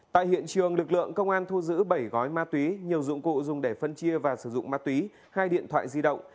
tại hiện trường lực lượng công an thu giữ bảy gói ma túy nhiều dụng cụ dùng để phân chia và sử dụng ma túy hai điện thoại di động